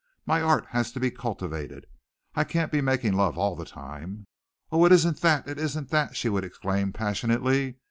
My art has to be cultivated. I can't be making love all the time." "Oh, it isn't that, it isn't that!" she would exclaim passionately.